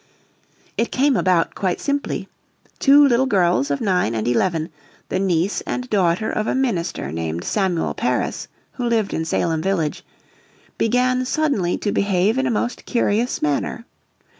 It came about quite simply. Two little girls of nine and eleven, the niece and daughter of a minister named Samuel Parris, who lived in Salem village, began suddenly to behave in a most curious manner.